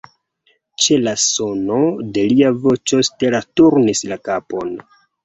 Ĉe la sono de lia voĉo Stella turnis la kapon.